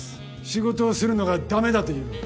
仕事をするのが駄目だというのか？